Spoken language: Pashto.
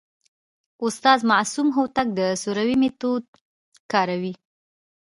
استاد معصوم هوتک د سروې میتود کاروي.